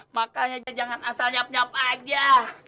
makanya jangan asal nyap nyap aja